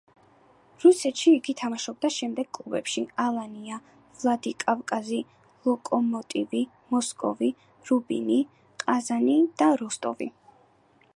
რუსეთში იგი თამაშობდა შემდეგ კლუბებში: „ალანია“ ვლადიკავკაზი, „ლოკომოტივი“ მოსკოვი, „რუბინი“ ყაზანი და „როსტოვი“.